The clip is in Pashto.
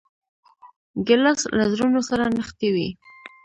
ګیلاس له زړونو سره نښتي وي.